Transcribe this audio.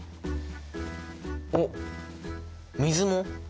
おっ水も？